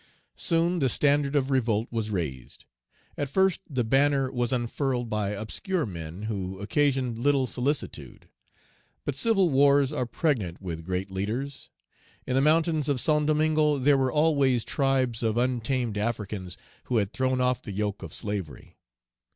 Soon the standard of revolt was raised. At first the banner was unfurled by obscure men who occasioned little solicitude. But civil wars are pregnant with great leaders. In the mountains of Saint Domingo there were always tribes of untamed Africans, who had thrown off the yoke of slavery.